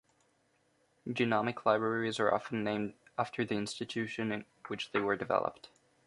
Genomic libraries are often named after the institution in which they were developed.